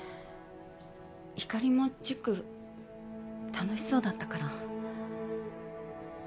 光莉も塾楽しそうだったから。